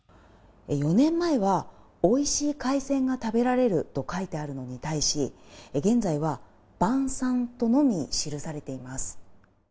４年前はおいしい海鮮が食べられると書いてあるのに対し、現在は晩さんとのみ記されています。